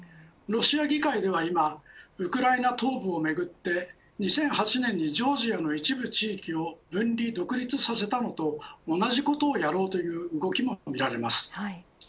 ロシア議会では今ウクライナ東部をめぐって２００８年にジョージアの一部地域を分離独立させたのと同じことをやろうという動きもみられます。